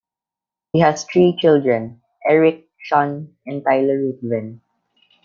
He has three children, Erik, Sean and Tyler Ruthven.